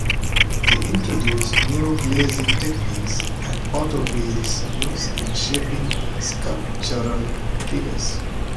They introduced new glazing techniques and potter's wheel use in shaping sculptural figures.